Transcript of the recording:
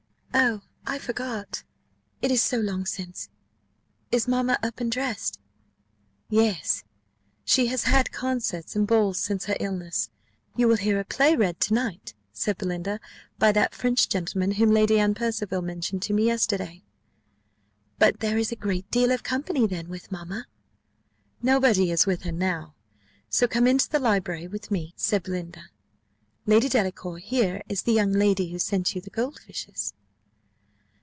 "Oh, I forgot it is so long since! Is mamma up and dressed?" "Yes. She has had concerts and balls since her illness. You will hear a play read to night," said Belinda, "by that French gentleman whom Lady Anne Percival mentioned to me yesterday." "But there is a great deal of company, then, with mamma?" "Nobody is with her now: so come into the library with me," said Belinda. "Lady Delacour, here is the young lady who sent you the gold fishes."